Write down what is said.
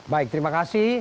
baik terima kasih